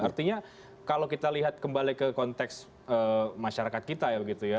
artinya kalau kita lihat kembali ke konteks masyarakat kita ya begitu ya